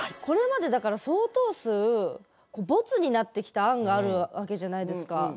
これまでだから相当数ボツになってきた案があるわけじゃないですか。